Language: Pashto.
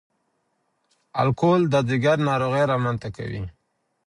الکول د ځګر ناروغۍ رامنځ ته کوي.